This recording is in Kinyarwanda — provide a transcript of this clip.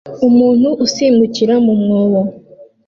Umuntu usimbukira mu mwobo